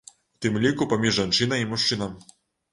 У тым ліку паміж жанчынай і мужчынам.